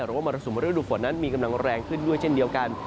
มรสุมฤดูฝนนั้นมีกำลังแรงขึ้นด้วยเช่นเดียวกัน